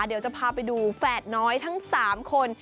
เดี๋ยวจะพาไปดูแฝดน้อยทั้ง๓คน